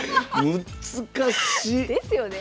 難しっ！ですよね。